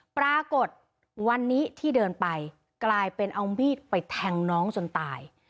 ปรากฏวันนี้ที่เดินไปกลายเป็นเอามีดไปแทงน้องจนตาย